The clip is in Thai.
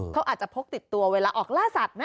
เขาอาจจะพกติดตัวเวลาออกล่าสัตว์ไหม